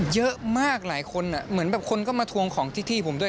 เยอะมากหลายคนเหมือนแบบคนก็มาทวงของที่ที่ผมด้วย